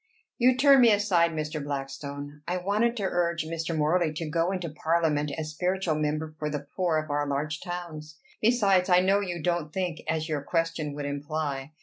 "You turn me aside, Mr. Blackstone. I wanted to urge Mr. Morley to go into parliament as spiritual member for the poor of our large towns. Besides, I know you don't think as your question would imply.